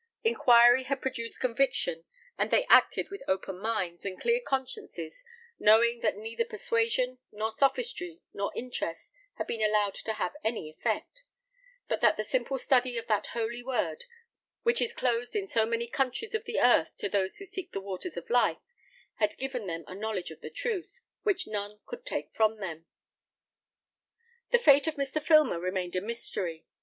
Inquiry had produced conviction, and they acted with open minds and clear consciences, knowing that neither persuasion, nor sophistry, nor interest, had been allowed to have any effect; but that the simple study of that holy Word, which is closed in so many countries of the earth to those who seek the waters of life, had given them a knowledge of the truth, which none could take from them. The fate of Mr. Filmer remained a mystery.